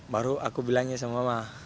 baru aku bilangnya sama mama